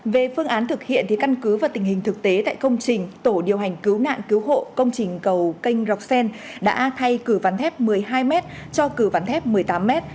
về phương án thực hiện thì căn cứ và tình hình thực tế tại công trình tổ điều hành cứu nạn cứu hộ công trình cầu canh rọc sen đã thay cử ván thép một mươi hai m cho cử ván thép một mươi tám m